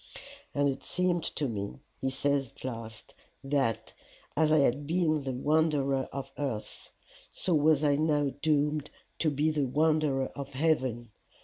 "'And it seemed to me,' he says at last, 'that, as I had been the wanderer of earth, so was I now doomed to be the wanderer of heaven.